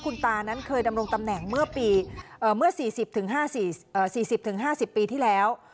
คุณตานั้นเคยดำรงตำแหน่งเมื่อ๔๐๕๐ปีที่แล้ว